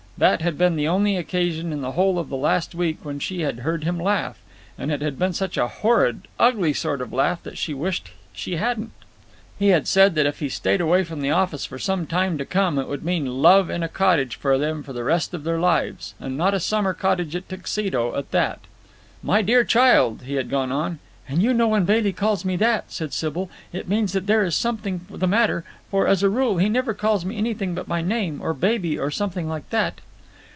That had been the only occasion in the whole of the last week when she had heard him laugh; and it had been such a horrid, ugly sort of laugh that she wished she hadn't. He had said that if he stayed away from the office for some time to come it would mean love in a cottage for them for the rest of their lives—and not a summer cottage at Tuxedo at that. "'My dear child,'" he had gone on, "and you know when Bailey calls me that," said Sybil, "it means that there is something the matter; for, as a rule, he never calls me anything but my name, or baby, or something like that."